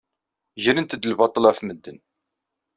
Grent-d lbaṭel ɣef medden.